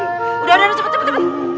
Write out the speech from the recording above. udah udah cepet cepet